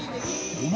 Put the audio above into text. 「お前」